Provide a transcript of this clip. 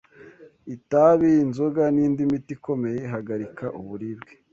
itabi, inzoga n’indi miti ikomeye ihagarika uburibwe